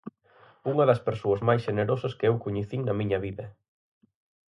Unha das persoas máis xenerosas que eu coñecín na miña vida.